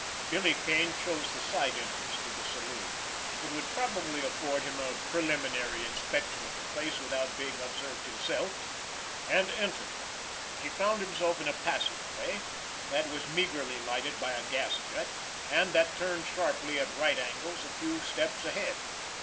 Billy Kane chose the side entrance to the saloon—it would probably afford him a preliminary inspection of the place without being observed himself—and entered. He found himself in a passageway that was meagerly lighted by a gas jet, and that turned sharply at right angles a few steps ahead.